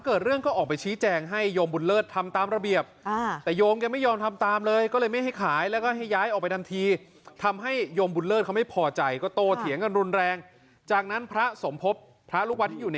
เมียเมียเขาบอกว่ายิงเลยยิงเลย